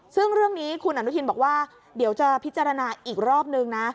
ซึ่งเรื่องนี้คุณอนุทินบอกว่าเดี๋ยวจะพิจารณาอีกรอบนึงนะ